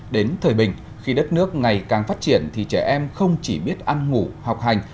đến thời bình khi đất nước ngày càng phát triển thì trẻ em không chỉ biết ăn ngủ học hành